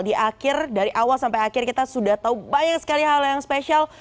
di akhir dari awal sampai akhir kita sudah tahu banyak sekali hal yang spesial